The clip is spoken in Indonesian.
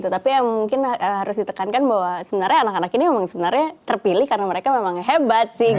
tapi ya mungkin harus ditekankan bahwa sebenarnya anak anak ini memang sebenarnya terpilih karena mereka memang hebat sih